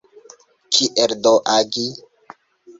Kiel do agi?